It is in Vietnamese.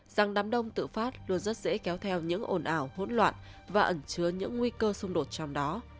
rằng đám đông tự phát luôn rất dễ kéo theo những ồn ào hỗn loạn và ẩn chứa những nguy cơ xung đột trong đó